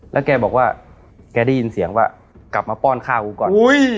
แล้วแกบอกว่าแกได้ยินเสียงว่ากลับมาป้อนข้าวกูก่อน